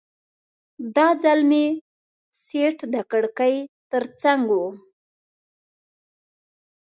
دا ځل مې سیټ د کړکۍ ترڅنګ و.